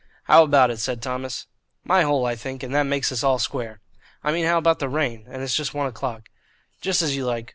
"How about it?" said Thomas. "My hole, I think, and that makes us all square." "I mean how about the rain? And it's just one o'clock." "Just as you like.